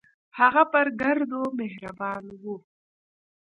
هغه پر ګردو مهربان و.